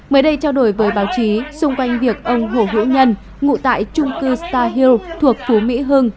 mới đây trao đổi với báo chí xung quanh việc ông hồ hữu nhân ngụ tại trung cư star hiêu thuộc phú mỹ hưng